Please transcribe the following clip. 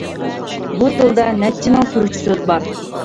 بۇ تىلدا نەچچە مىڭ تۈركچە سۆز بار.